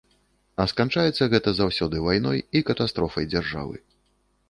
А сканчаецца гэта заўсёды вайной і катастрофай дзяржавы.